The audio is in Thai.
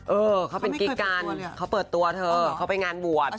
เออเขาเป็นกิ๊กกันเขาเปิดตัวเถอะเขาไปงานบวชที่สุภัณฐ์